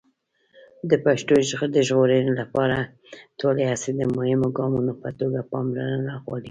د پښتو د ژغورنې لپاره ټولې هڅې د مهمو ګامونو په توګه پاملرنه غواړي.